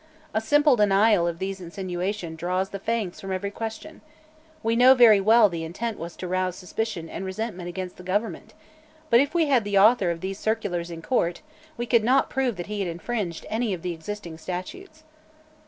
A simple denial of these insinuations draws the fangs from every question. We know very well the intent was to rouse suspicion and resentment against the government, but if we had the author of these circulars in court we could not prove that he had infringed any of the existing statutes."